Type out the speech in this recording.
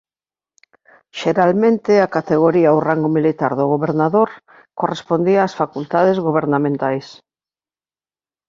Xeralmente a categoría ou rango militar do gobernador correspondía ás facultades gobernamentais.